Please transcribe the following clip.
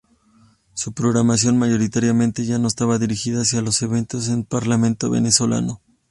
Su programación mayoritariamente ya no estaba dirigida hacia lo eventos en el parlamento venezolano.